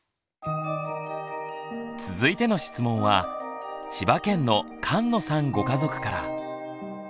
続いての質問は千葉県の菅野さんご家族から。